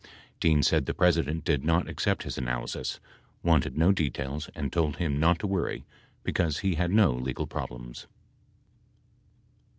Dean said the President did not accept his analysis, wanted no details and told him not to worry because he had no legal problems.